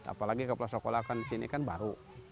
apalagi kalau sekolah kan di sini kan baru